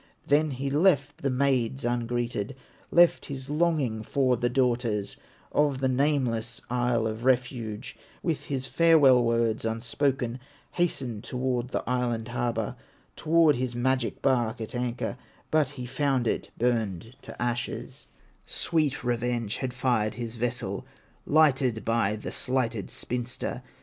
Then he left the maids ungreeted, Left his longing for the daughters Of the nameless Isle of Refuge, With his farewell words unspoken, Hastened toward the island harbor, Toward his magic bark at anchor; But he found it burned to ashes, Sweet revenge had fired his vessel, Lighted by the slighted spinster.